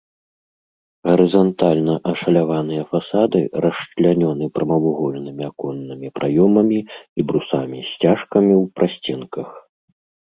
Гарызантальна ашаляваныя фасады расчлянёны прамавугольнымі аконнымі праёмамі і брусамі-сцяжкамі ў прасценках.